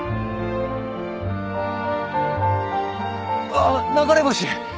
あっ流れ星！